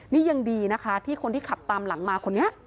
นี่ยังดีนะคะที่คนที่ขับตามหลังมาคนนี้